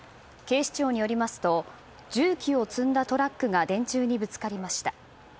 警視庁によりますと重機を積んだトラックが電柱にぶつかりました。